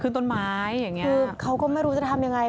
คือเขาก็ไม่รู้จะทำอย่างไร